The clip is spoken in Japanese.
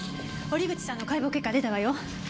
折口さんの解剖結果出たわよ。